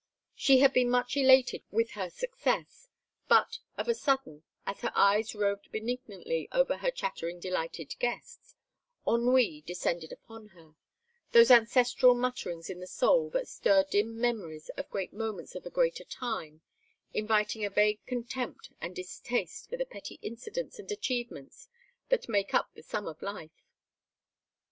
She had been much elated with her success, but, of a sudden, as her eyes roved benignantly over her chattering delighted guests, ennui descended upon her: those ancestral mutterings in the soul that stir dim memories of great moments of a greater time, inviting a vague contempt and distaste for the petty incidents and achievements that make up the sum of life.